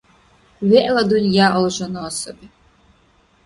ВегӀла дунъя алжана саби.